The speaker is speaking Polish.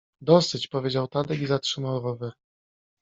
— Dosyć — powiedział Tadek i zatrzymał rower.